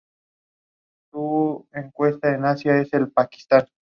Cáliz con dientes minúsculos, anchamente triangulares.